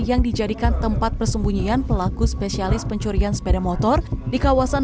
yang dijadikan tempat persembunyian pelaku spesialis pencurian sepeda motor di kawasan